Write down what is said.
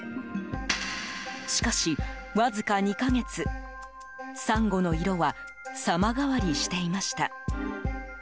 しかし、わずか２か月サンゴの色は様変わりしていました。